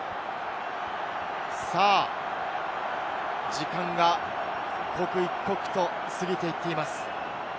時間が刻一刻と過ぎていっています。